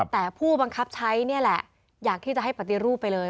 แต่ผู้บังคับใช้นี่แหละอยากที่จะให้ปฏิรูปไปเลย